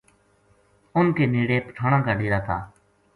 اُنھ کے نیڑے پٹھاناں کا ڈیرا تھا